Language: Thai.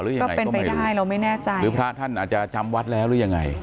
ก็เป็นไปได้เราไม่แน่ใจหรือพระท่านอาจจะจำวัดแล้วหรือยังไง